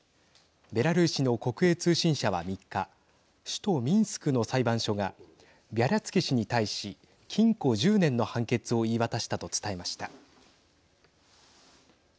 ベラルーシの国営通信社は３日首都ミンスクの裁判所がビャリャツキ氏に対し禁錮１０年の判決を言い渡したと伝えました。